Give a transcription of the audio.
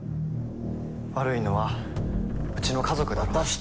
悪いのはうちの家族だろうし。